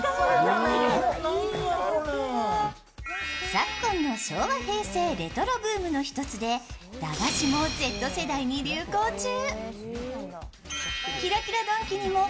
昨今の昭和・平成レトロブームの一つで駄菓子もＺ世代に流行中。